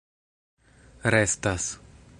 restas